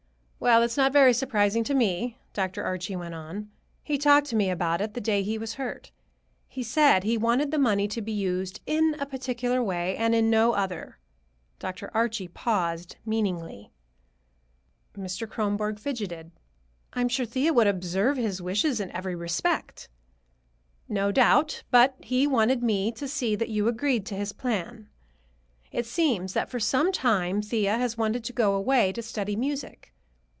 "Well, it's not very surprising to me," Dr. Archie went on. "He talked to me about it the day he was hurt. He said he wanted the money to be used in a particular way, and in no other." Dr. Archie paused meaningly. Mr. Kronborg fidgeted. "I am sure Thea would observe his wishes in every respect." "No doubt; but he wanted me to see that you agreed to his plan. It seems that for some time Thea has wanted to go away to study music.